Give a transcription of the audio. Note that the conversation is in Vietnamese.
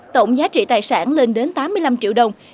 tổng giá trị tài sản lên đến tám mươi năm triệu đồng